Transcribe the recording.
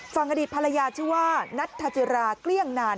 ฝั่งอดีตภรรยาชื่อว่านัทธาจิราเกลี้ยงนาน